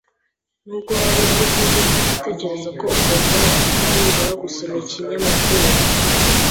Nubwo waba uhuze gute, ndatekereza ko ugomba nibura gusoma ikinyamakuru.